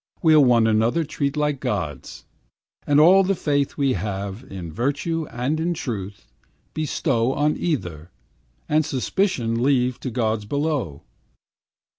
We'll one another treat like gods, And all the faith we have In virtue and in truth, bestow On either, and suspicion leave To gods below.